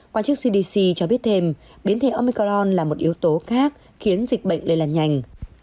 quan chức cdc cho biết thêm biến thể omicron là một yếu tố khác khiến dịch bệnh lây lan nhanh